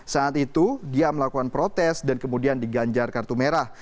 saat itu dia melakukan protes dan kemudian diganjar kartu merah